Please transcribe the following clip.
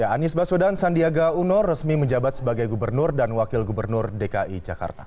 anies baswedan sandiaga uno resmi menjabat sebagai gubernur dan wakil gubernur dki jakarta